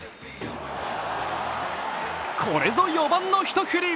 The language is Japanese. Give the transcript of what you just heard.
これぞ４番の一振り！